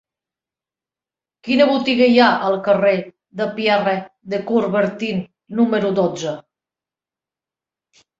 Quina botiga hi ha al carrer de Pierre de Coubertin número dotze?